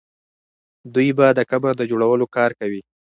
دوی به د قبر د جوړولو کار کوي.